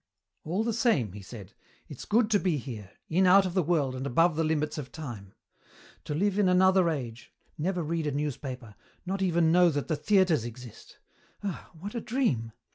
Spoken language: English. "All the same," he said, "it's good to be here, in out of the world and above the limits of time. To live in another age, never read a newspaper, not even know that the theatres exist ah, what a dream!